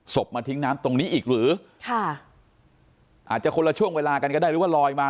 มาทิ้งน้ำตรงนี้อีกหรือค่ะอาจจะคนละช่วงเวลากันก็ได้หรือว่าลอยมา